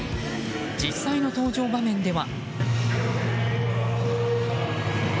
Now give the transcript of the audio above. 実際の登場場面では。